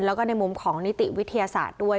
แล้วก็ในมุมของนิติวิทยาศาสตร์ด้วย